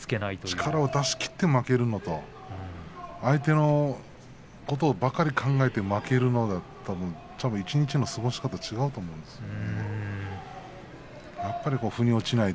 力を出し切って負けるので相手のことばかり考えて負けるのとは一日の過ごし方が違ってくるんですね。